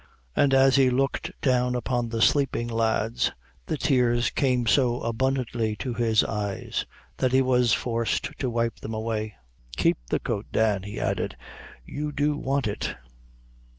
And as he looked down upon the sleeping lads, the tears came so abundantly to his eyes, that he was forced to wipe them away. "Keep the coat, Dan," he added; "you do want it."